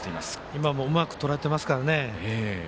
今も、うまくとらえていますからね。